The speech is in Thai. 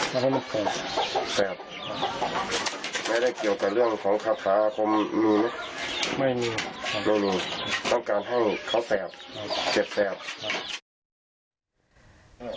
แล้วให้มันแสบแสบแล้วได้เกี่ยวกับเรื่องของข้าวพร้าวผมมีไหมไม่มีไม่มีต้องการให้เขาแสบเจ็บแสบครับ